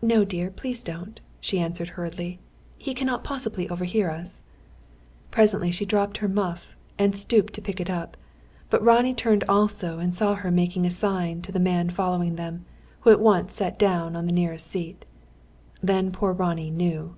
"No, dear; please don't," she answered hurriedly. "He cannot possibly overhear us." Presently she dropped her muff and stooped to pick it up. But Ronnie turned also, and saw her make a sign to the man following them, who at once sat down on the nearest seat. Then poor Ronnie knew.